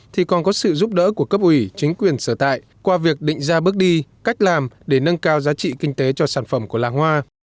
thì còn có sự giúp đỡ của cấp ủy chính quyền sở tại qua việc định ra bước đi cách làm để nâng cao giá trị kinh tế cho sản phẩm của làng hoa